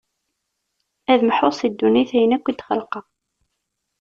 Ad mḥuɣ si ddunit ayen akk i d-xelqeɣ.